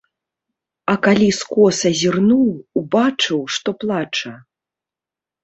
А калі скоса зірнуў, убачыў, што плача.